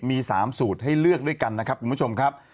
มี๓สูตรให้เลือกด้วยกันนะครับคุณผู้ชมครับ